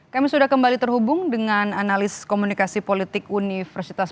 kami sudah kembali terhubung dengan analis komunikasi politik universitas